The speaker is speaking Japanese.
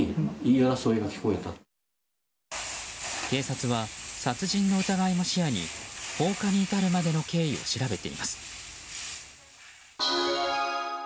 警察は殺人の疑いも視野に放火に至るまでの経緯を調べています。